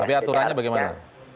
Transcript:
tapi aturannya bagaimana